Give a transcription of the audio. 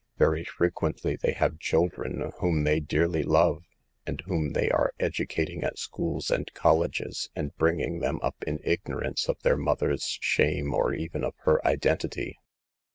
Very frequently they HOW TO SAVE OUR ERRING SISTERS. 245 have children whom they dearly love, and whom they are educating at schools and col leges and bringing them up in ignorance of their mother's shame or even of her identity.